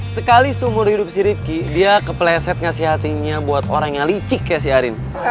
sekali seumur hidup si rivki dia kepleset ngasih hatinya buat orang yang licik ya si arin